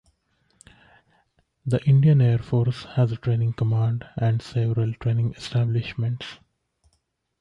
The Indian Air Force has a Training Command and several training establishments.